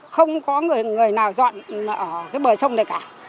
không có người nào dọn ở cái bờ sông này cả